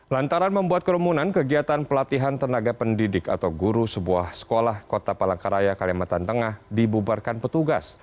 lantaran membuat kerumunan kegiatan pelatihan tenaga pendidik atau guru sebuah sekolah kota palangkaraya kalimantan tengah dibubarkan petugas